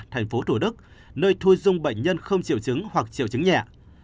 thành phố thủ đức nơi thu dung bệnh nhân không triệu chứng hoặc triệu chứng nhẹ